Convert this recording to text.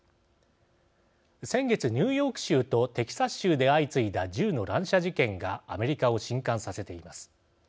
先月、ニューヨーク州とテキサス州で相次いだ銃の乱射事件がアメリカをしんかんさせています。